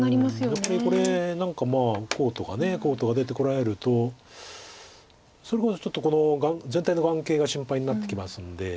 やっぱりこれ何かこうとかこうとか出てこられるとそれこそちょっとこの全体の眼形が心配になってきますんで。